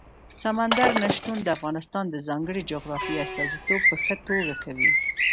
سمندر نه شتون د افغانستان د ځانګړي جغرافیې استازیتوب په ښه توګه کوي.